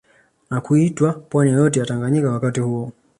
Na kuitwaa Pwani yote ya Tanganyika wakati huo